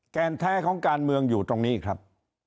แกนแท้ของการเมืองอยู่ตรงนี้ครับ